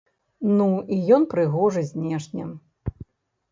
Ну і ён прыгожы знешне.